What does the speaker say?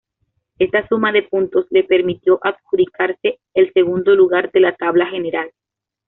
Esta suma de puntos le permitió adjudicarse, el segundo lugar de la Tabla General.